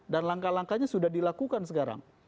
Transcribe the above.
dan langkah langkahnya sudah dilakukan sekarang